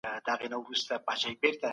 په هره برخه کي به مو هڅي د ستایلو وړ وي.